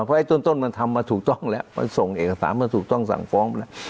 เพราะไอ้ต้นมันทำมาถูกต้องแล้วมันส่งเอกสารมาถูกต้องสั่งฟ้องไปแล้ว